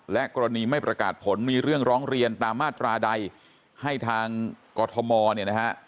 และกรณีไม่ประกาศผลมีเรื่องร้องเรียนตามมาตราใดให้ทางกรทมเนี่ยนะฮะ